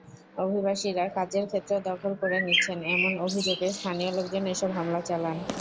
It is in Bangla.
অভিবাসীরা কাজের ক্ষেত্র দখল করে নিচ্ছেন—এমন অভিযোগে স্থানীয় লোকজন এসব হামলা চালান।